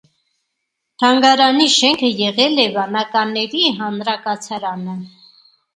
Թանգարանի շենքը եղել է վանականների հանրակացարանը։